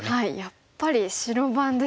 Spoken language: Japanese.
やっぱり白番ですね。